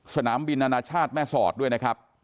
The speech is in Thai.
สนามบินอนาชาติแม่สอดด้วยนะครับ